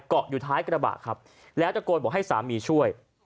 เกาะอยู่ท้ายกระบะครับแล้วตะโกนบอกให้สามีช่วย